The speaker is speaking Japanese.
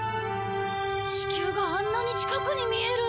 地球があんなに近くに見える。